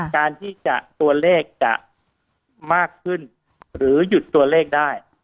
การที่จะตัวเลขจะมากขึ้นหรือหยุดตัวเลขได้